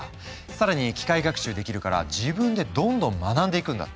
更に機械学習できるから自分でどんどん学んでいくんだって。